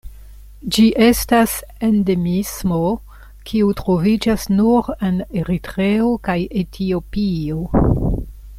Ĝi estas endemismo kiu troviĝas nur en Eritreo kaj Etiopio.